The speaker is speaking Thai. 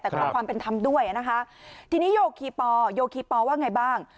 แต่ขอความเป็นธรรมด้วยนะคะทีนี้โยคีปอโยคีปอว่าไงบ้าง